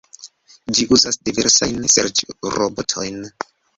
Ĝi uzas diversajn serĉrobotojn.